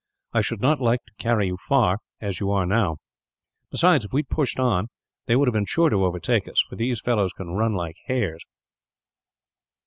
I should not like to carry you far, as you are now. Besides, if we had pushed on, they would have been sure to overtake us; for these fellows can run like hares."